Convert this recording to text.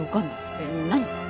えっ何？